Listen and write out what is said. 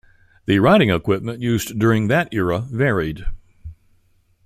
The riding equipment used during that era varied.